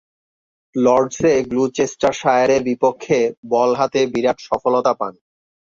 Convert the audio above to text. লর্ডসে গ্লুচেস্টারশায়ারের বিপক্ষে বল হাতে বিরাট সফলতা পান।